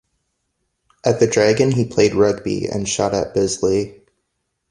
At the Dragon he played rugby, and shot at Bisley.